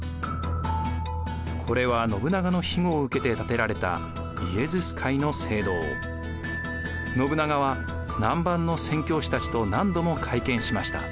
これは信長の庇護を受けて建てられた信長は南蛮の宣教師たちと何度も会見しました。